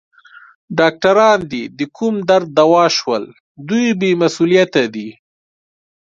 ډاکټران دي د کوم درد دوا شول؟ دوی بې مسؤلیته دي.